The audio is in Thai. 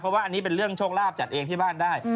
เพราะว่าอันนี้เป็นเรื่องโชคลาภจัดเองที่บ้านได้